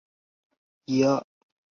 救军粮